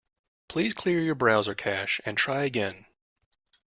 Please clear your browser cache and try again.